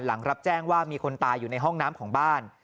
รับแจ้งว่ามีคนตายอยู่ในห้องน้ำของบ้าน